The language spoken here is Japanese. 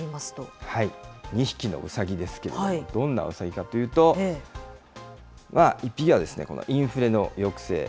二匹の兎ですけれども、どんな兎かというと、一匹は、このインフレの抑制。